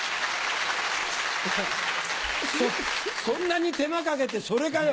そんなに手間かけてそれかよ！